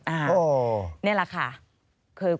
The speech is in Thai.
อ่านี่แหละค่ะ